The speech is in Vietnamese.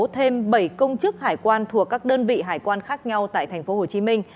thêm bảy công chức hải quan thuộc các đơn vị hải quan khác nhau tại tp hcm